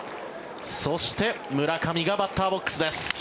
そして、村上がバッターボックスです。